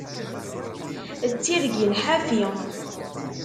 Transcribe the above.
D tirgin ḥafi.